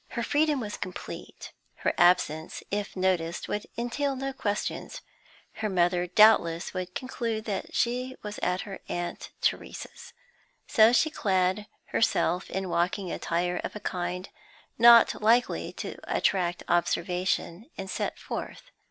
Her freedom was complete; her absence, if noticed, would entail no questions; her mother doubtless would conclude that she was at her aunt Theresa's. So she clad herself in walking attire of a kind not likely to attract observation, and set forth.